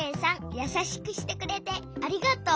やさしくしてくれてありがとう。